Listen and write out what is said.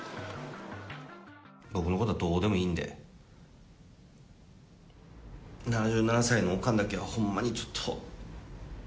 僕のことはどうでもいいんで、７７歳のおかんだけは、ほんまにちょっと。